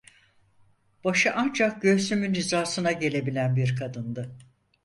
Başı ancak göğsümün hizasına gelebilen bir kadındı.